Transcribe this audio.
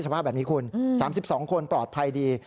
สภาพแบบนี้คุณ๓๒คนปลอดภัยดี